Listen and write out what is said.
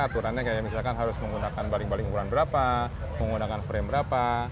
aturannya kayak misalkan harus menggunakan baling baling ukuran berapa menggunakan frame berapa